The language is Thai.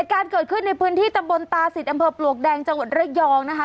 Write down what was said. การเกิดขึ้นในพื้นที่ตำบลตาศิษย์อำเภอปลวกแดงจังหวัดระยองนะคะ